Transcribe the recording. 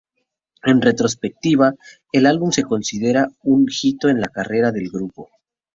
En retrospectiva, el álbum se considera un hito en la carrera del grupo.